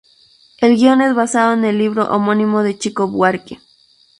El guion es basado en el libro homónimo de Chico Buarque.